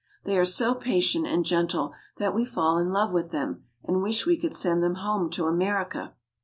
They are so patient and gentle that we fall in love with them, and wish we could send them home to America.